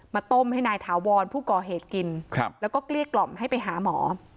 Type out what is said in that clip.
ต้มให้นายถาวรผู้ก่อเหตุกินแล้วก็เกลี้ยกล่อมให้ไปหาหมอ